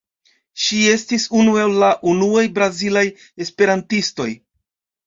Ŝi estis unu el la unuaj brazilaj esperantistoj.